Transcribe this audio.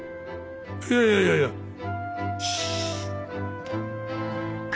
いやいやいやいやシーッ！